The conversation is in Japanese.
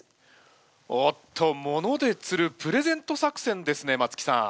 おっと物で釣るプレゼント作戦ですね松木さん。